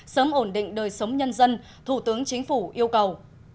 sớm ổn định đời sống nhân dân thủ tướng chính phủ yêu cầu